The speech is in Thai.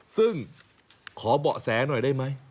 ซึ่งขอเบาะแสหน่อยได้ไหม